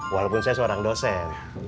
walaupun saya seorang dosen